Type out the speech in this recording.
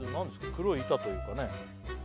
黒い板というかね